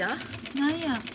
何や？